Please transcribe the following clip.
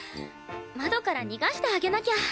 窓から逃がしてあげなきゃ。